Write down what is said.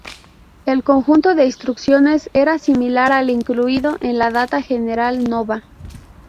El conjunto de instrucciones era similar al incluido en el Data General Nova.